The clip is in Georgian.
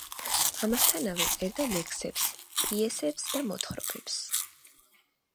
ამასთანავე, წერდა ლექსებს, პიესებს და მოთხრობებს.